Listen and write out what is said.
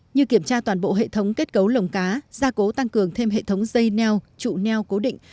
như kiểm tra toàn bộ hệ thống kết cấu lồng cá gia cố tăng cường thêm hệ thống dây neo trụ neo cố định